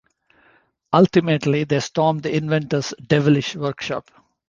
Ultimately they storm the inventor's "devilish" workshop.